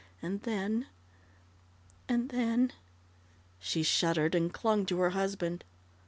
And then and then " She shuddered, and clung to her husband.